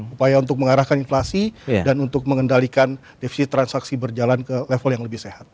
upaya untuk mengarahkan inflasi dan untuk mengendalikan defisit transaksi berjalan ke level yang lebih sehat